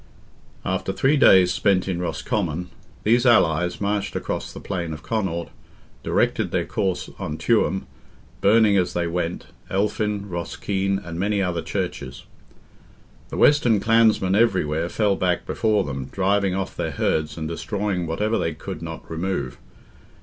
After three days spent in Roscommon, these allies marched across the plain of Connaught, directed their course on Tuam, burning as they went Elphin, Roskeen, and many other churches. The western clansmen everywhere fell back before them, driving off their herds and destroying whatever they could not remove.